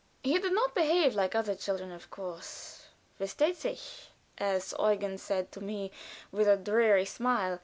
He did not behave like other children, of course versteht sich, as Eugen said to me with a dreary smile.